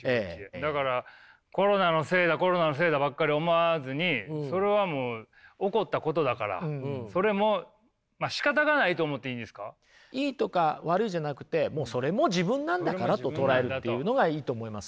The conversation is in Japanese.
だからコロナのせいだコロナのせいだばっかり思わずにそれはもういいとか悪いじゃなくてもうそれも自分なんだからと捉えるというのがいいと思いますね。